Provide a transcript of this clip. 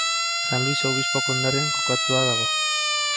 San Luis Obispo konderrian kokatua dago.